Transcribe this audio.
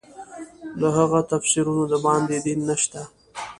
له هغو تفسیرونو د باندې دین نشته.